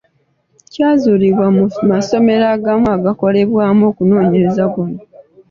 Kyazuulibwa mu masomero agamu agakolebwamu okunoonyereza kuno.